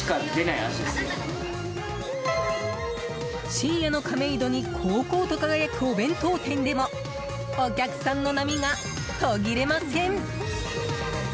深夜の亀戸にこうこうと輝くお弁当店でもお客さんの波が途切れません。